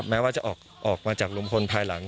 แม้ว่าจะออกมาจากลุงพลภายหลัง